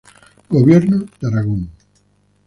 Gobierno de Aragón.